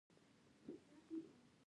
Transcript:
د اوګانیسون تر ټولو دروند عنصر دی.